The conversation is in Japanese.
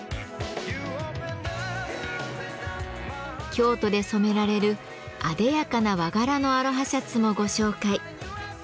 京都で染められるあでやかな和柄のアロハシャツもご紹介。